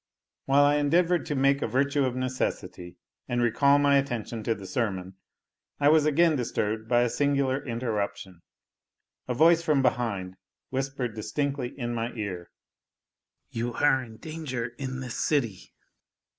While I endeavoured to make a virtue of necessity, and recall my attention to the sermon, I was again disturbed by a singular interruption. A voice from behind whispered distinctly in my ear, "You are in danger in this city."